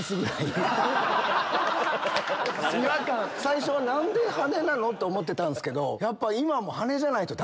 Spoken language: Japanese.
最初は何で羽根なの？って思ってたんすけど。